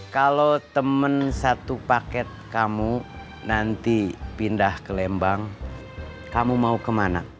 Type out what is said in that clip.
kalau temen satu paket kamu nanti pindah ke lembang kamu mau kemana